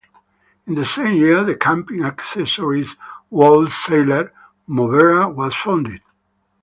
In the same year the camping accessories wholesaler Movera was founded.